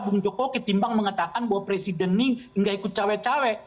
bung joko ketimbang mengatakan bahwa presiden ini nggak ikut cewek cewek